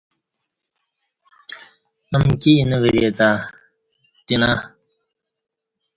امکی اینہ ورے تہ اوتینہ